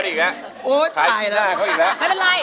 ด้านล่างเขาก็มีความรักให้กันนั่งหน้าตาชื่นบานมากเลยนะคะ